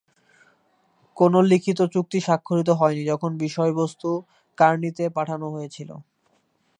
কোন লিখিত চুক্তি স্বাক্ষরিত হয়নি যখন বিষয়বস্তু কার্নিতে পাঠানো হয়েছিল।